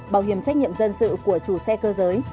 bảo hiểm trách nhiệm dân sự của chủ xe cơ giới